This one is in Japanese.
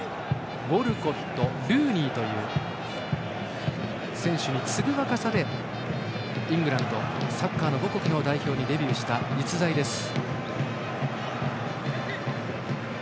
ウォルコット、ルーニーという選手に次ぐ若さでイングランドサッカーの母国の代表にデビューした逸材です。